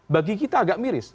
bagi kita agak miris